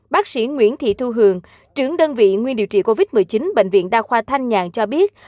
bác sĩ nguyễn thị thu hường trưởng đơn vị nguyên điều trị covid một mươi chín bệnh viện đa khoa thanh nhàn cho biết